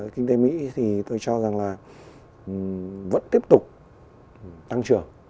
kinh tế mỹ thì tôi cho rằng là vẫn tiếp tục tăng trưởng